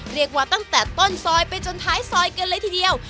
เรียกว่าตั้งแต่ต้นซอยไปจนท้ายซอยกันเลยทีเดียว